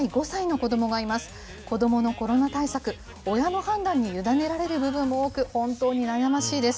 子どものコロナ対策、親の判断に委ねられる部分も多く、本当に悩ましいです。